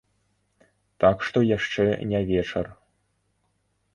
Так што яшчэ не вечар.